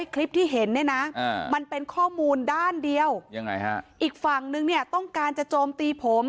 ข้อมูลด้านเดียวยังไงฮะอีกฝั่งนึงเนี่ยต้องการจะโจมตีผม